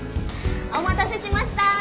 お待たせしました！